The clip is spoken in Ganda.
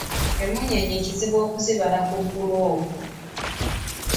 Emmunyeenye kizibu okuzibala ku ggulu okwo.